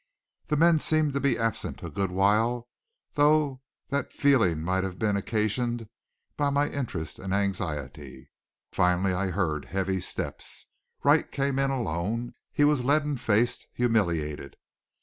The men seemed to be absent a good while, though that feeling might have been occasioned by my interest and anxiety. Finally I heard heavy steps. Wright came in alone. He was leaden faced, humiliated.